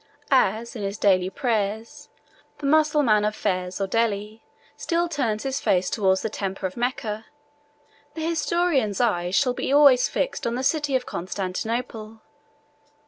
As, in his daily prayers, the Mussulman of Fez or Delhi still turns his face towards the temple of Mecca, the historian's eye shall be always fixed on the city of Constantinople.